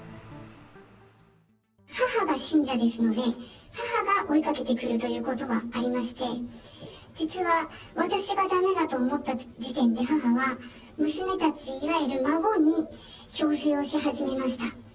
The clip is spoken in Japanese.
母が信者ですので、母が追いかけてくるということはありまして、実は私がだめだと思った時点で、母は、娘たちがいる孫に強制をし始めました。